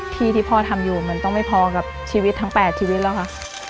ที่ที่พ่อทำอยู่มันต้องไม่พอกับชีวิตทั้ง๘ชีวิตแล้วค่ะ